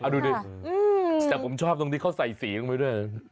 ดูดิแต่ผมชอบตรงที่เขาใส่สีลงไปด้วย